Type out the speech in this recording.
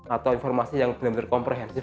atau informasi yang benar benar komprehensif